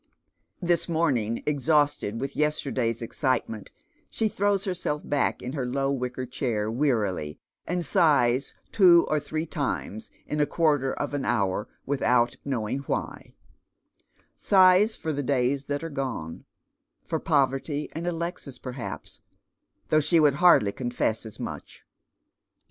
This morning, exhausted with yesterday's excitement, she tlirows herself back in her low wicker chair wearily, and sighs two or three times in a quarter of an hour without knowing why, — sighs for the days that are gone — for poveiiy and Alexis, perhaps, though she would hardly confess as much.